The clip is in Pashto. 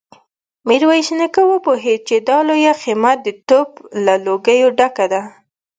ميرويس نيکه وپوهيد چې دا لويه خيمه د توپ له ګوليو ډکه ده.